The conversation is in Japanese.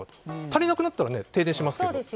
足りなくなったら停電しますけど。